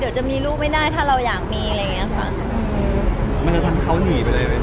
เดี๋ยวจะมีลูกไม่ได้ถ้าเราอยากมีอะไรอย่างเงี้ยค่ะมันจะทำให้เขาหนีไปเลย